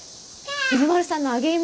藤丸さんの揚げ芋。